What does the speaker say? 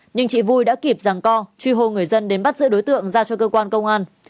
nhưng chị vui đã kịp rằng co truy hô người dân đến bắt giữ đối tượng giao cho cơ quan công an